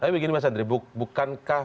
tapi begini mas henry bukankah